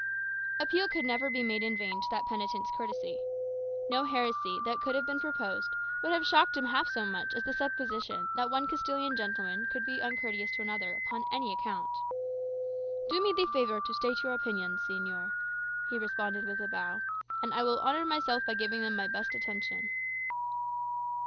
Appeal could never be made in vain to that penitent's courtesy. No heresy, that could have been proposed, would have shocked him half so much as the supposition that one Castilian gentleman could be uncourteous to another, upon any account. "Do me the favour to state your opinions, señor," he responded, with a bow, "and I will honour myself by giving them my best attention."